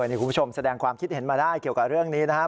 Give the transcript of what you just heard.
นี่คุณผู้ชมแสดงความคิดเห็นมาได้เกี่ยวกับเรื่องนี้นะครับ